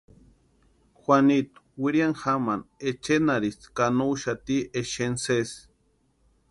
Juanitu wiriani jamani echenharhisti ka no úxati exeni sési.